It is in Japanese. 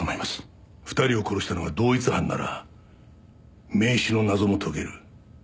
２人を殺したのが同一犯なら名刺の謎も解ける。